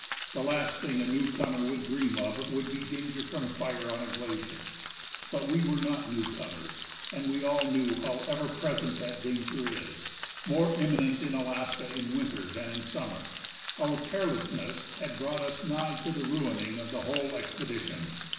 The last thing a newcomer would dream of would be danger from fire on a glacier, but we were not newcomers, and we all knew how ever present that danger is, more imminent in Alaska in winter than in summer. Our carelessness had brought us nigh to the ruining of the whole expedition.